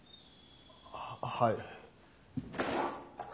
あははい。